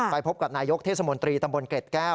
ไปพบกับนายกเทศมนตรีตำบลเกร็ดแก้ว